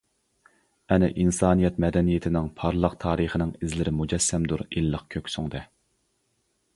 ئەنە، ئىنسانىيەت مەدەنىيىتىنىڭ، پارلاق تارىخىنىڭ ئىزلىرى مۇجەسسەمدۇر ئىللىق كۆكسۈڭدە!